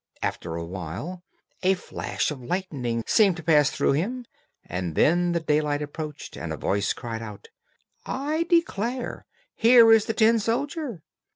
After a while, a flash of lightning seemed to pass through him, and then the daylight approached, and a voice cried out, "I declare here is the tin soldier."